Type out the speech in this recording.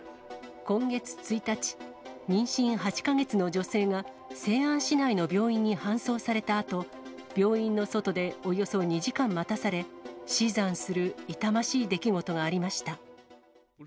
今月１日、妊娠８か月の女性が、西安市内の病院に搬送されたあと、病院の外でおよそ２時間待たされ、死産する痛ましい出来事がありました。